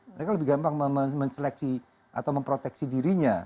mereka lebih gampang menseleksi atau memproteksi dirinya